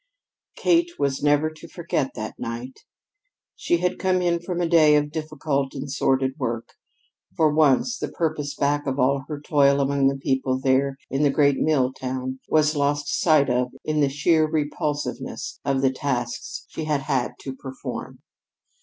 Kate was never to forget that night. She had come in from a day of difficult and sordid work. For once, the purpose back of all her toil among the people there in the great mill town was lost sight of in the sheer repulsiveness of the tasks she had had to perform.